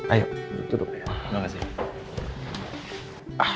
ayo duduk duduk ya